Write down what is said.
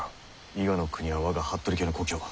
伊賀国は我が服部家の故郷。